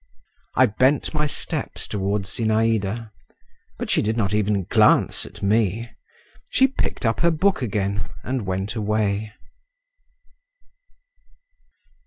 I bent my steps toward Zinaïda, but she did not even glance at me; she picked up her book again and went away.